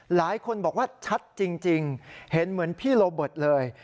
หลายคนบอกว่าชัดจริงเห็นเหมือนพี่โรเบิร์ตเลย